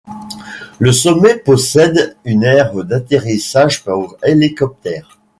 Le sommet possède une aire d'atterrissage pour hélicoptère.